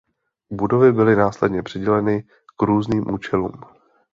Budovy byly následně přiděleny k různým účelům.